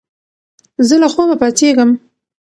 زه له خوبه پاڅېږم.